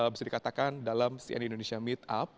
bisa dikatakan dalam cnn indonesia meetup